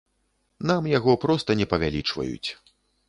Нам яго проста не павялічваюць.